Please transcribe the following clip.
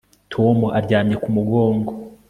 Tom aryamye ku mugongo